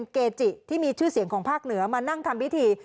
เกจิที่มีชื่อเสียงของภาคเหนือมานั่งทำพิธี